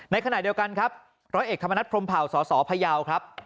ขณะเดียวกันครับร้อยเอกธรรมนัฐพรมเผ่าสสพยาวครับ